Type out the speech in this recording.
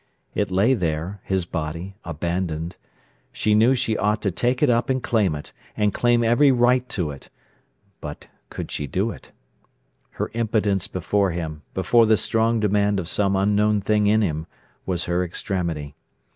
It lay there, his body, abandoned. She knew she ought to take it up and claim it, and claim every right to it. But—could she do it? Her impotence before him, before the strong demand of some unknown thing in him, was her extremity.